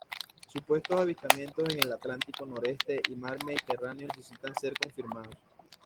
Supuestos avistamientos en el Atlántico noreste y mar Mediterráneo necesitan ser confirmados.